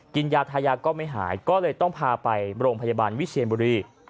กินยาทายาก็ไม่หายก็เลยต้องพาไปโรงพยาบาลวิเชียนบุรี